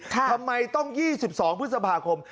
ทำไมต้อง๒๒พฤษภาคม